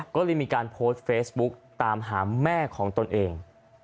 ก็เลยมีการโพสต์เฟซบุ๊กตามหาแม่ของตนเอง